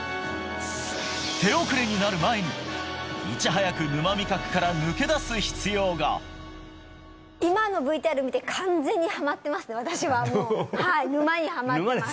手遅れになる前にいち早く沼味覚から抜け出す必要が今のＶＴＲ見て私はもうはい沼にハマってます